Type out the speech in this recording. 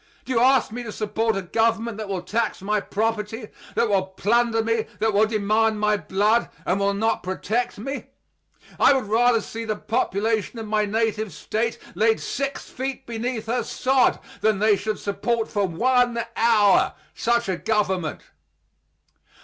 Do you ask me to support a government that will tax my property: that will plunder me; that will demand my blood, and will not protect me? I would rather see the population of my native State laid six feet beneath her sod than they should support for one hour such a government.